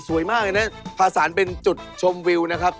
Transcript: สวยมากอันนี้พาสานเป็นจุดชมวิวนะครับ